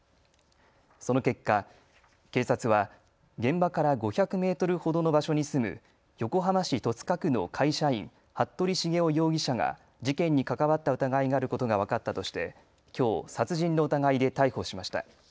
その結果、警察は現場から５００メートルほどの場所に住む横浜市戸塚区の会社員、服部繁雄容疑者が事件に関わった疑いがあることが分かったとしてきょう殺人の疑いで逮捕しました。